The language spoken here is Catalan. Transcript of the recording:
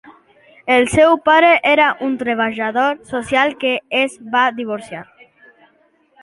El seu pare era un treballador social que es va divorciar.